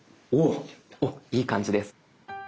おいい感じです。